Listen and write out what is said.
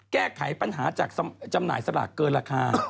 แก้ไขปัญหาจากจำหน่ายสลากเกินราคา